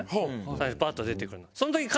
最初パッと出てくるの。